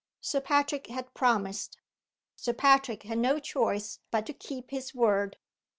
Sir Patrick had promised Sir Patrick had no choice but to keep his word.